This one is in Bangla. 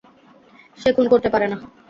সে খুন করতে পারে না।